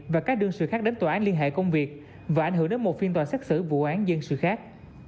và các đương sự khác đến tòa án liên hệ công việc và ảnh hưởng đến một phiên tòa xét xử vụ án dân sự khác